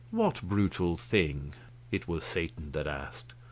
"What brutal thing?" It was Satan that asked.